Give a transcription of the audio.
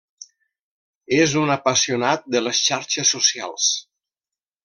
És un apassionat de les xarxes socials.